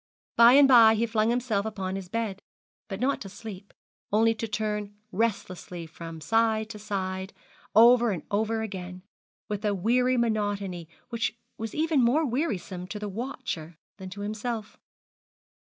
By and by he flung himself upon his bed, but not to sleep, only to turn restlessly from side to side, over and over again, with a weary monotony which was even more wearisome to the watcher than to himself.